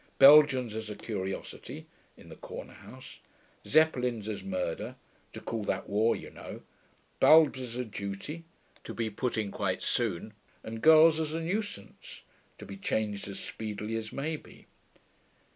Belgians as a curiosity (in the corner house), Zeppelins as murder ('to call that war, you know'), bulbs as a duty (to be put in quite soon), and Girls as a nuisance (to be changed as speedily as may be).